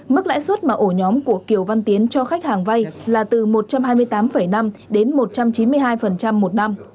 mức lãi suất mà ổ nhóm của kiều văn tiến cho khách hàng vay là từ một trăm hai mươi tám năm đến một trăm chín mươi hai một năm